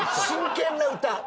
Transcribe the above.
真剣な歌。